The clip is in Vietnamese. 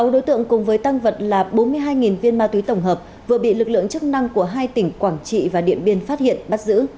sáu đối tượng cùng với tăng vật là bốn mươi hai viên ma túy tổng hợp vừa bị lực lượng chức năng của hai tỉnh quảng trị và điện biên phát hiện bắt giữ